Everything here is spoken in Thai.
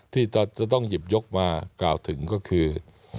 ที่จะต้องหยิบยกมากล่าวถึงก็คือ